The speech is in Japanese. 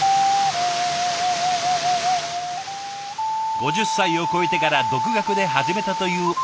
５０歳を超えてから独学で始めたというオカリナ。